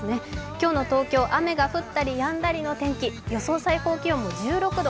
今日の東京、雨が降ったりやんだりの天気、予想最高気温も１６度。